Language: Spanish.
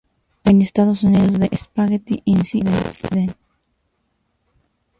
En Estados Unidos, "The Spaghetti Incident?